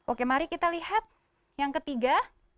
oke mari kita lihat yang ketiga